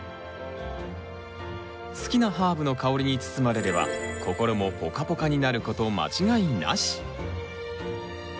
好きなハーブの香りに包まれれば心もポカポカになること間違いなし。